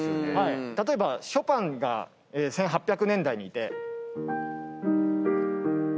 例えばショパンが１８００年代にいて。